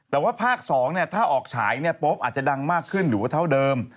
แต่ว่าภาค๒ถ้าออกฉายปุ๊บอาจจะดังมากขึ้นหรือว่าเท่าเดิม